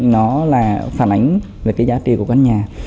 nó là phản ảnh về cái giá trị của các nhà